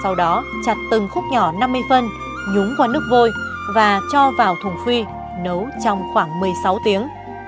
sau đó chặt từng khúc nhỏ năm mươi phân nhúng qua nước vôi và cho vào thùng phi nấu trong khoảng một mươi sáu tiếng